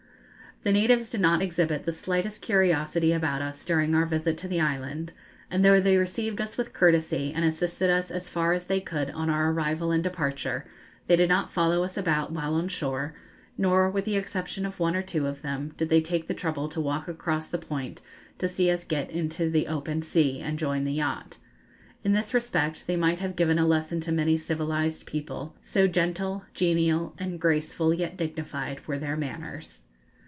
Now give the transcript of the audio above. The natives did not exhibit the slightest curiosity about us during our visit to the island, and though they received us with courtesy, and assisted us as far as they could on our arrival and departure, they did not follow us about while on shore, nor, with the exception of one or two of them, did they take the trouble to walk across the point to see us get into the open sea and join the yacht. In this respect they might have given a lesson to many civilised people, so gentle, genial, and graceful, yet dignified, were their manners.